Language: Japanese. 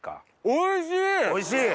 おいしい。